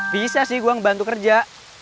bisa sih gue ngebantu kerja